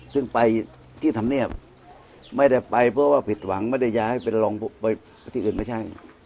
ซึ่งไปที่ธรรมเนียบไม่ได้ไปเพราะว่าผิดหวังไม่ได้ย้ายไปที่อื่นไม่ใช่